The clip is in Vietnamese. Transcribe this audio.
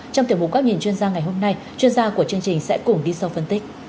trong tiểu mục góc nhìn chuyên gia ngày hôm nay chuyên gia của chương trình sẽ cùng đi sâu phân tích